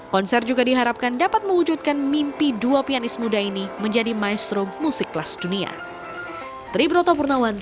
konser juga diharapkan dapat mewujudkan mimpi dua pianis muda ini menjadi maestro musik kelas dunia